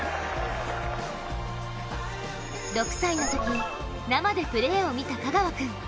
６歳のとき、生でプレーを見た香川君。